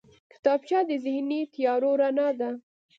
کتابچه د ذهني تیارو رڼا ده